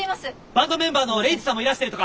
バンドメンバーのレイジさんもいらしてるとか。